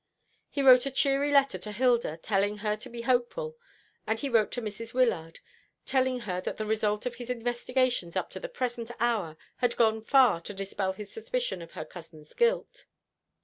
He wrote a cheery letter to Hilda, telling her to be hopeful; and he wrote to Mrs. Wyllard, telling her that the result of his investigations up to the present hour had gone far to dispel his suspicion of her cousin's guilt.